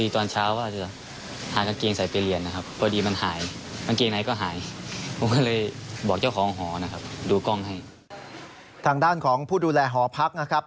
ทางด้านของผู้ดูแลหอพักนะครับ